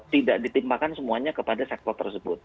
tidak ditimpakan semuanya kepada sektor tersebut